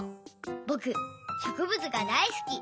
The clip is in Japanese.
ぼくしょくぶつが大すき。